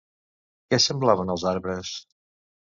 Què semblaven els arbres?